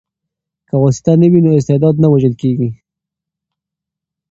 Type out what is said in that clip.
که واسطه نه وي نو استعداد نه وژل کیږي.